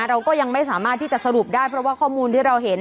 เราก็ยังไม่สามารถที่จะสรุปได้เพราะว่าข้อมูลที่เราเห็น